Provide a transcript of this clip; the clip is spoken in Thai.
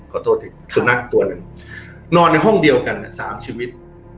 ขอโทษทีคือนักตัวหนึ่งนอนในห้องเดียวกันอ่ะสามชีวิต